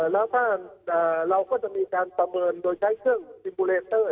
แล้วถ้าเราก็จะมีการประเมินโดยใช้เครื่องบินบูเรนเตอร์